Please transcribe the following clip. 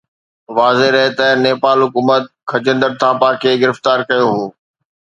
واضح رهي ته نيپال حڪومت خجندر ٿاپا کي گرفتار ڪيو هو